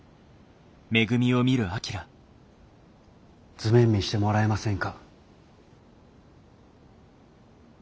図面見してもらえませんか？